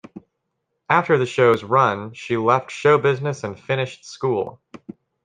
After the show's run, she left show business and finished school.